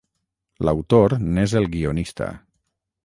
L'autor n'és el guionista.